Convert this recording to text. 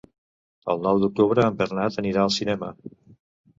El nou d'octubre en Bernat anirà al cinema.